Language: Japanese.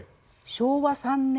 昭和３年。